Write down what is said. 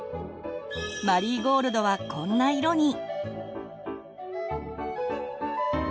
マリーゴールドはこんな色に。